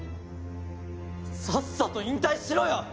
さっさと引退しろよ！